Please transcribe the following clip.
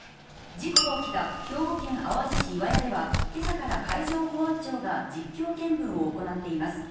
事故が起きた兵庫県淡路市岩屋では、けさから海上保安庁が実況見分を行っています。